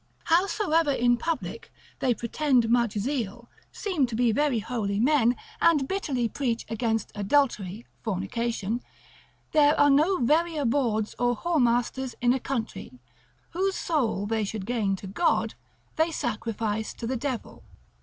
Howsoever in public they pretend much zeal, seem to be very holy men, and bitterly preach against adultery, fornication, there are no verier bawds or whoremasters in a country; whose soul they should gain to God, they sacrifice to the devil.